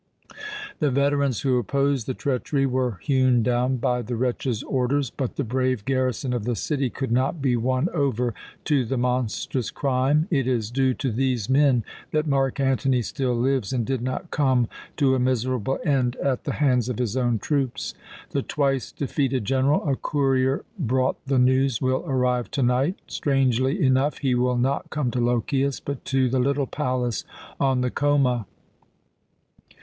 The veterans who opposed the treachery were hewn down by the wretch's orders, but the brave garrison of the city could not be won over to the monstrous crime. It is due to these men that Mark Antony still lives and did not come to a miserable end at the hands of his own troops. The twice defeated general a courier brought the news will arrive to night. Strangely enough, he will not come to Lochias, but to the little palace on the Choma."